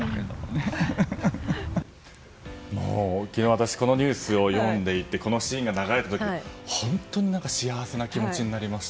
私、このニュースを読んでいてこのシーンが流れた時に本当に幸せな気持ちになりました。